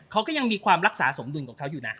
เขาก็ยังมีความรักษาสมดุลของเขาอยู่นะ